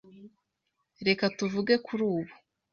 Reka tuvuge kuri ubu.